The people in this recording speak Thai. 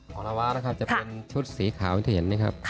ของละวะจะเป็นชุดสีขาวที่เห็นนะครับ